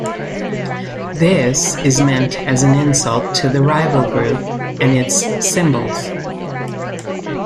This is meant as an insult to the rival group and its symbols.